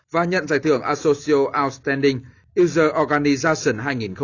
và nhận giải thưởng associate outstanding user organization hai nghìn một mươi tám